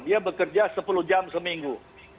dia bekerja sepuluh jam seminggu